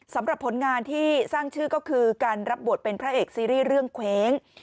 สำหรับผลงานที่สร้างชื่อก็คือการรับบทเป็นพระเอกซีรีส์เรื่องเคว้ง